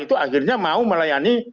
itu akhirnya mau melayani